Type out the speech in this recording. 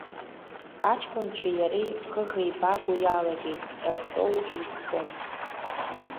Аҷкәынцәеи иареи ӷыӷибаго иалагеит рҳәоу еиқәшәом…